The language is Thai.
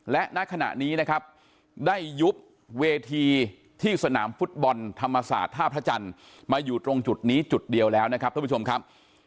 และณขณะนี้นะครับได้ยุบเวทีที่สนามฟุตบอลธรรมศาสตร์ท่าพระจันทร์มาอยู่ตรงจุดนี้จุดเดียวแล้วนะครับท่านผู้ชมครับ